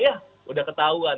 ya sudah ketahuan